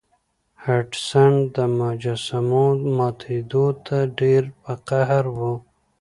هډسن د مجسمو ماتیدو ته ډیر په قهر و.